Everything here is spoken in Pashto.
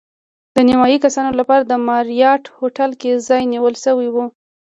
د نیمایي کسانو لپاره د ماریاټ هوټل کې ځای نیول شوی و.